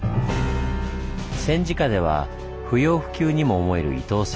戦時下では不要不急にも思える伊東線。